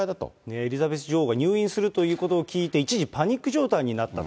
エリザベス女王が入院するということを聞いて、一時、パニック状態になったと。